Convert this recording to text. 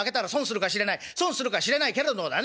損するかしれないけれどもだね